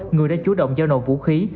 người đã chủ động giao nộ vũ khí